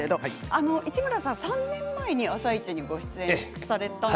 市村さんは３年前に「あさイチ」にご出演されました。